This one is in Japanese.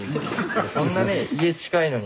こんなね家近いのに。